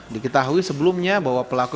diketahui sebelumnya bahwa pelaku